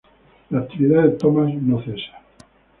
La actividad de Thomas no cesa.